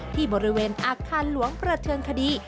ที่บริเวณอาคารหลวงประเทิงคดี